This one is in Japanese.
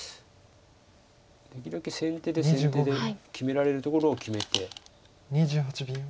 できるだけ先手で先手で決められるところを決めて。